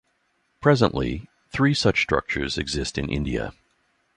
Presently, three such structures exist in India.